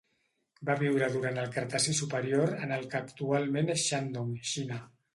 Va viure durant el Cretaci superior en el que actualment és Shandong, Xina.